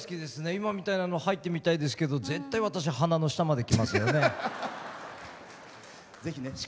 今見たいなの入ってみたいですけど絶対私、鼻の下までいきますね。